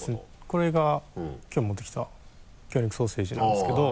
これがきょう持ってきた魚肉ソーセージなんですけど。